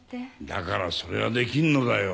だからそれはできんのだよ。